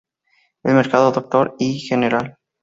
El mercado Dr. y Gral.